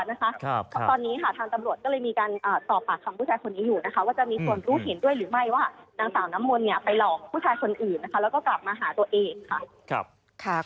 ตอนนี้ค่ะทางตำรวจก็เลยมีการสอบปากคำผู้ชายคนนี้อยู่นะคะว่าจะมีส่วนรู้เห็นด้วยหรือไม่ว่านางสาวน้ำมนต์ไปหลอกผู้ชายคนอื่นนะคะแล้วก็กลับมาหาตัวเองค่ะ